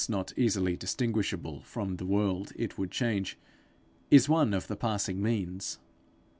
not easily distinguishable from the world it would change is one of the passing means.